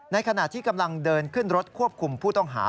ขณะที่กำลังเดินขึ้นรถควบคุมผู้ต้องหา